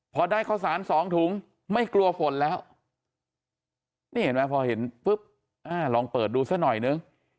พอได้ข้าวสารสองถุงไม่กลัวฝนแล้วนี่เห็นไหมพอเห็นปุ๊บลองเปิดดูซะหน่อยนึง